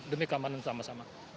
demi keamanan sama sama